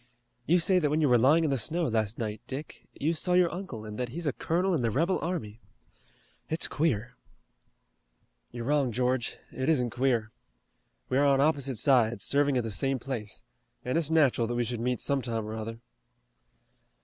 You say that when you were lying in the snow last night, Dick, you saw your uncle and that he's a colonel in the rebel army. It's queer." "You're wrong, George, it isn't queer. We're on opposite sides, serving at the same place, and it's natural that we should meet some time or other.